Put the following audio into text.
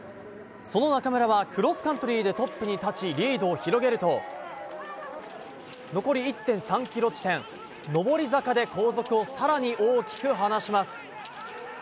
その中村はクロスカントリーでトップに立ちリードを広げると残り１．３ｋｍ、上り坂で後続を更に大きく離します。